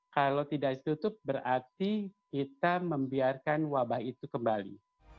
kalau tidak ditutup berarti kita membiarkan wabah itu kembali